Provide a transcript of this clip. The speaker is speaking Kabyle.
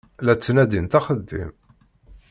La ttnadint axeddim.